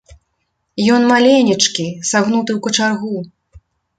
Ён маленечкі, сагнуты ў качаргу.